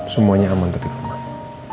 semuanya aman tapi kemarin